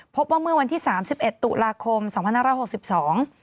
พบว่าเมื่อวันที่๓๑ตุลาคมสองพันหน้าระหกสิบสอง